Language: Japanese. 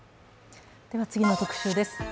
次の特集です。